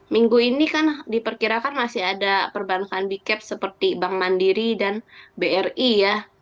minggu ini kan diperkirakan masih ada perbankan bicap seperti bank mandiri dan bri ya